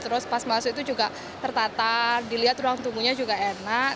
terus pas masuk itu juga tertata dilihat ruang tunggunya juga enak